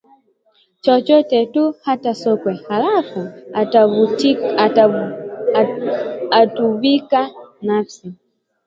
chochote tu hata sokwe halafu akatuvika nafsi